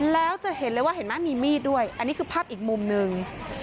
แล้วจะเห็นเลยว่าเห็นไหมมีมีดด้วยอันนี้คือภาพอีกมุมหนึ่ง